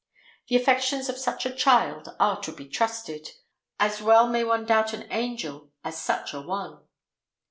The affections of such a child are to be trusted. As well may one doubt an angel as such a one.